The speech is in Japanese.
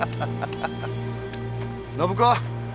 暢子！